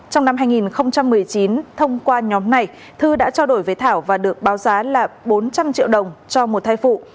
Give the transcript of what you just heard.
trong năm hai nghìn một mươi chín thông qua nhóm này thư đã trao đổi với thảo và được báo giá là bốn trăm linh triệu đồng cho một thai phụ